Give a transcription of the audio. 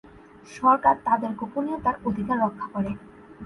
সরকার তাদের গোপনীয়তার অধিকার রক্ষা করে।